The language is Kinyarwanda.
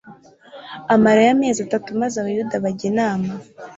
amarayo amezi atatu maze Abayuda bajya inama